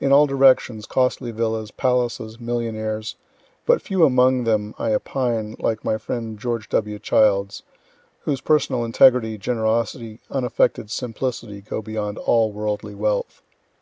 In all directions costly villas, palaces, millionaires (but few among them I opine like my friend George W. Childs, whose personal integrity, generosity, unaffected simplicity, go beyond all worldly wealth.)